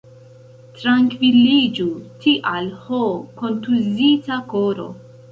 Trankviliĝu, tial, ho, kontuzita koro!